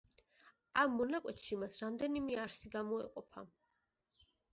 ამ მონაკვეთში მას რამდენიმე არხი გამოეყოფა.